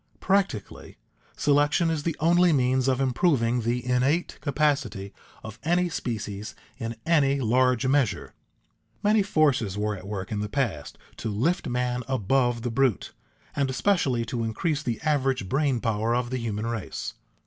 Practically, selection is the only means of improving the innate capacity of any species in any large measure. Many forces were at work in the past to lift man above the brute, and especially to increase the average brain power of the human race.